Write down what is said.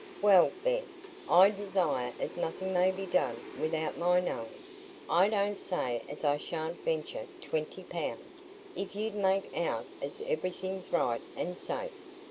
"Well, then, I desire as nothing may be done without my knowing. I don't say as I sha'n't venture twenty pounds, if you make out as everything's right and safe.